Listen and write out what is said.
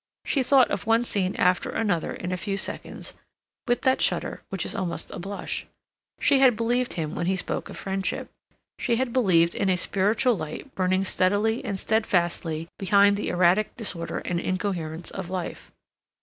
She thought of one scene after another in a few seconds, with that shudder which is almost a blush. She had believed him when he spoke of friendship. She had believed in a spiritual light burning steadily and steadfastly behind the erratic disorder and incoherence of life.